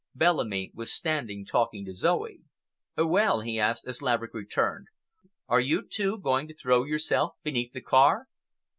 Bellamy was standing talking to Zoe. "Well," he asked, as Laverick returned, "are you, too, going to throw yourself beneath the car?"